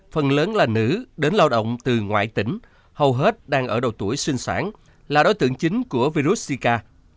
phần lớn là nữ đến lao động từ ngoại tỉnh hầu hết đang ở đầu tuổi sinh sản là đối tượng chính của virus sika